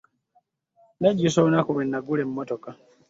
Nejjusa olunaku lwe nagula emmotoka .